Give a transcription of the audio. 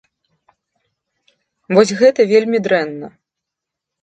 Вось гэта вельмі дрэнна.